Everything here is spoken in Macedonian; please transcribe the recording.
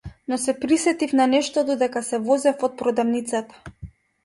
Но се присетив на нешто додека се возев од продавницата.